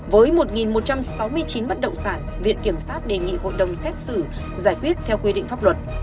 với một một trăm sáu mươi chín bất động sản viện kiểm sát đề nghị hội đồng xét xử giải quyết theo quy định pháp luật